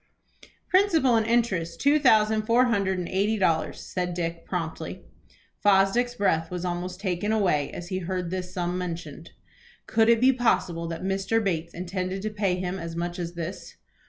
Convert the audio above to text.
"Principal and interest two thousand four hundred and eighty dollars," said Dick, promptly. Fosdick's breath was almost taken away as he heard this sum mentioned. Could it be possible that Mr. Bates intended to pay him as much as this?